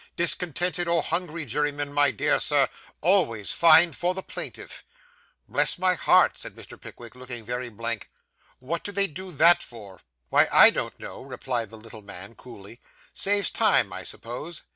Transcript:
Discontented or hungry jurymen, my dear sir, always find for the plaintiff.' 'Bless my heart,' said Mr. Pickwick, looking very blank, 'what do they do that for?' 'Why, I don't know,' replied the little man coolly; 'saves time, I suppose.